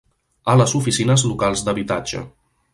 A les oficines locals d'habitatge.